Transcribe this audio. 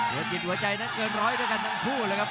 วิถีในหัวใจนันเกิน๑๐๐ด้วยกันทั้งคู่เลยครับ